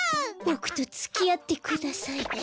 ボクとつきあってください。